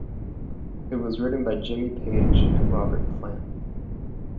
It was written by Jimmy Page and Robert Plant.